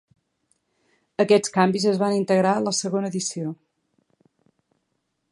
Aquests canvis es van integrar a la segona edició.